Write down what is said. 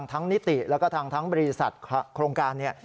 ทั้งนิติแล้วก็ทั้งบริษัทโครงการนี้